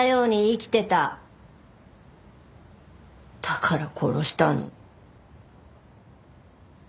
だから殺したの。